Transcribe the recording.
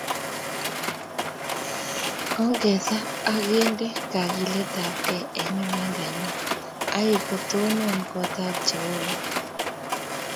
Ongesaa akende kagilitap kei eng imanda nyo aikotonon kotab Jehova